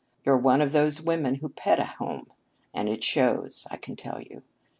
You're one of those women who pet a home, and it shows, I can tell you.